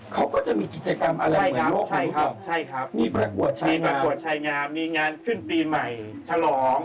เค้าก็จะมีกิจกรรมอะไรเหมือนโลกคุณครับมีประกวดชัยงามมีงานขึ้นปีใหม่ฉลอง